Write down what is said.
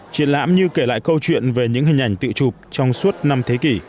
triển lãm như kể lại câu chuyện về những hình ảnh tự chụp trong suốt năm thế kỷ